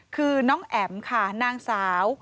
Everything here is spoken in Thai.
คือน้องแอ๋มค่ะนางสาว